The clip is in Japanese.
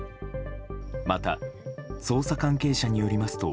また、捜査関係者によりますと